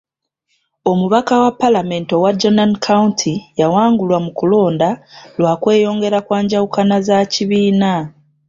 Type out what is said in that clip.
Omubaka wa paalamenti owa Jonan county yawangulwa mu kulonda lwa kweyongera kwa njawukana za kibiina.